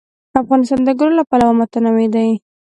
افغانستان د انګور له پلوه متنوع دی.